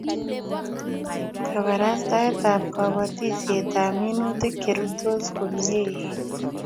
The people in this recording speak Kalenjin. Kaparastaet ab kapatisiet ab minutik Che rurtos komie